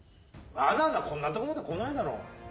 わざわざこんなとこまで来ないだろ。